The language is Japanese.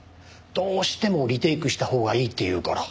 どうしてもリテイクしたほうがいいって言うから。